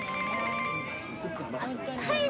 はい。